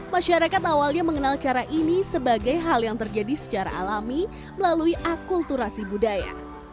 masyarakat awalnya mengenal cara ini sebagai hal yang terjadi secara alami melalui akulturasi budaya